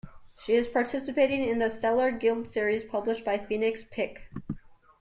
She is participating in The Stellar Guild series published by Phoenix Pick.